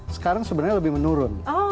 sekarang sebenarnya lebih menurun